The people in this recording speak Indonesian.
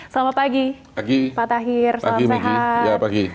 selamat pagi pak tahir salam sehat